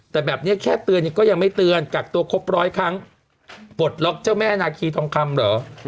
แต่แบบนี้แค่เตือนเนี่ยก็ยังไม่เตือนกักตัวครบร้อยครั้งปลดล็อกเจ้าแม่นาคีทองคำเหรอ